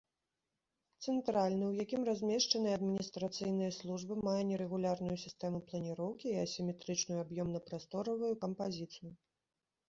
Цэнтральны, у якім размешчаныя адміністрацыйныя службы, мае нерэгулярную сістэму планіроўкі і асіметрычную аб'ёмна-прасторавую кампазіцыю.